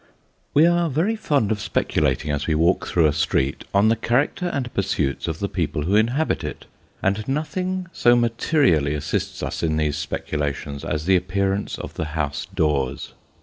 WE are very fond of speculating as we walk through a street, on the character and pursuits of the people who inhabit it ; and nothing so materially assists us in these speculations as the appearance of the house doors.